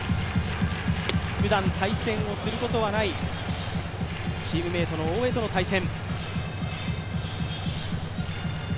ふだん、対戦をすることはないチームメートの大江との対戦。